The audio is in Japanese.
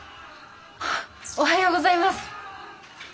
おはようございます。